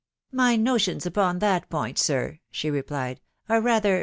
" My notions upon that point, sir," she replied, i€ are rather